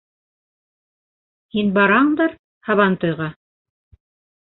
Һин барандыр һабантуйға?